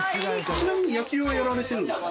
ちなみに野球のほうはやられてるんですか？